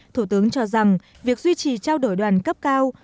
thủ tướng cho rằng việc duy trì trao đổi đoàn cấp cao